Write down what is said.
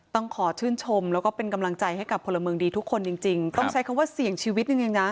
ต้องขอชื่นชมแล้วก็เป็นกำลังใจให้กับพลเมืองดีทุกคนจริงจริงต้องใช้คำว่าเสี่ยงชีวิตจริงจริงนะ